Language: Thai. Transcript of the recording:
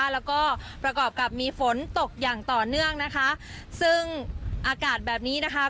แล้วก็ประกอบกับมีฝนตกอย่างต่อเนื่องนะคะซึ่งอากาศแบบนี้นะคะ